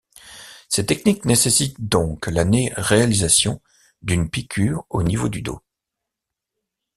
Ces techniques nécessitent donc la réalisation d'une piqûre au niveau du dos.